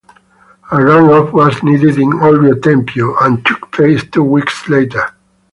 A run-off was needed in Olbia-Tempio and took place two weeks later.